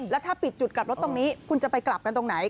แล้วถ้าปิดจุดกลับรถตรงนี้คุณจะไปกลับกันตรงไหน